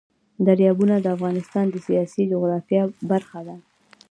دریابونه د افغانستان د سیاسي جغرافیه برخه ده.